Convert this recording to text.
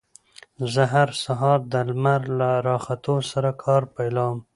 زه هر سهار د لمر له راختو سره کار پيلوم.